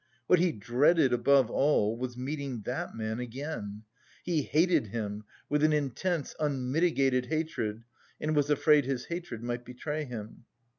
What he dreaded above all was meeting that man again; he hated him with an intense, unmitigated hatred and was afraid his hatred might betray him.